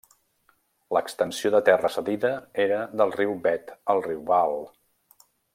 L'extensió de terra cedida era del riu Vet al riu Vaal.